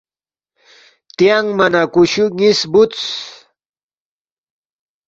تیانگما نہ کُشُو نِ٘یس بوُدس